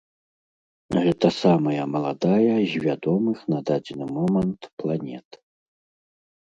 Гэта самая маладая з вядомых на дадзены момант планет.